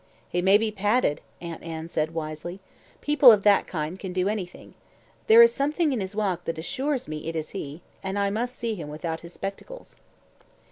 "He may be padded," Aunt Anne said wisely. "People of that kind can do anything. There is something in his walk that assures me it is he, and I must see him without his spectacles."